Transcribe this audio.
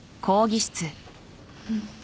うん。